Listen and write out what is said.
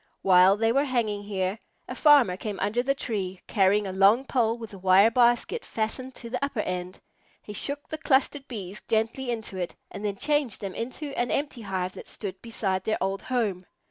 While they were hanging here, the farmer came under the tree, carrying a long pole with a wire basket fastened to the upper end. He shook the clustered Bees gently into it, and then changed them into an empty hive that stood beside their old home.